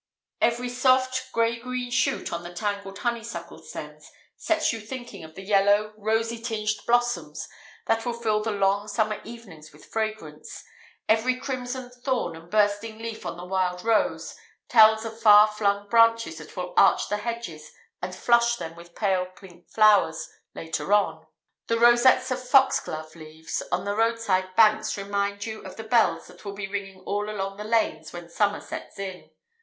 Every soft, grey green shoot on the tangled honeysuckle stems sets you thinking of the yellow, rosy tinged blossoms that will fill the long summer evenings with fragrance; every crimson thorn and bursting leaf on the wild rose, tells of far flung branches that will arch the hedges and flush them with pale pink flowers later on; the rosettes of foxglove leaves on the roadside banks remind you of the bells that will be ringing all along the lanes when summer sets in.